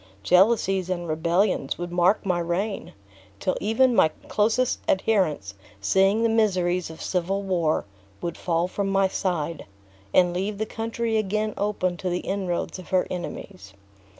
Jealousies and rebellions would mark my reign; till even my closest adherents, seeing the miseries of civil war, would fall from my side, and leave the country again open to the inroads of her enemies.